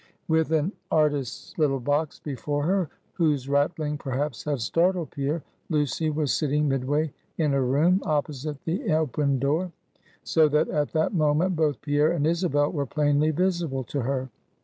With an artist's little box before her whose rattling, perhaps, had startled Pierre Lucy was sitting midway in her room, opposite the opened door; so that at that moment, both Pierre and Isabel were plainly visible to her.